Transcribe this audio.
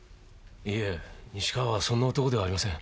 いいえ西川はそんな男ではありません。